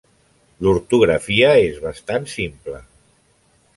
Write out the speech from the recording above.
L'ortografia és bastant simple.